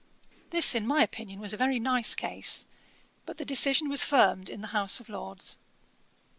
This in my opinion was a very nice case; but the decision was affirmed in the House of Lords.